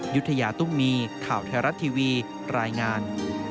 ยุธยาตุ้มมีข่าวไทยรัฐทีวีรายงาน